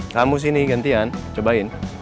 kamu sini gantian cobain